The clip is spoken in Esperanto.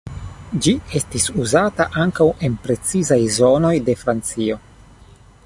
Ĝi estis uzata ankaŭ en precizaj zonoj de Francio.